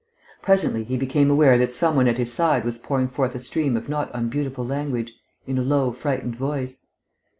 Presently he became aware that some one at his side was pouring forth a stream of not unbeautiful language in a low, frightened voice.